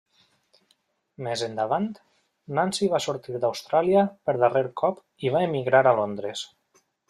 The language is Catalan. Més endavant, Nancy va sortir d'Austràlia per darrer cop i va emigrar a Londres.